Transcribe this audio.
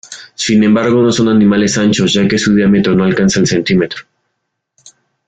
Sin embargo, no son animales anchos, ya que su diámetro no alcanza el centímetro.